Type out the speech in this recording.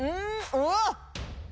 うわっ！